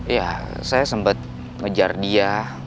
ya saya sempat ngejar dia